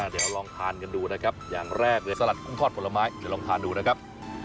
เดี๋ยวลองทานกันดูนะครับอย่างแรกเลยสลัดกุ้งทอดผลไม้เดี๋ยวลองทานดูนะครับ